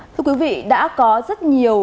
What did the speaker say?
thưa quý vị đã có rất nhiều